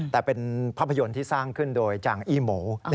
แต่เป็นภาพยนตร์ที่สร้างขึ้นโดยจางอี้หมู